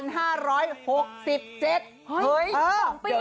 เฮ้ย๒ปีเลยหรอ๒ปี